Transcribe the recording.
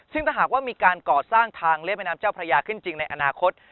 ซึ่งถ้าหากว่ามีการก่อสร้างทางเรียบแม่น้ำเจ้าพระยาขึ้นจริงในอนาคต